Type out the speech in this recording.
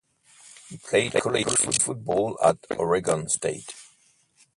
He played college football at Oregon State.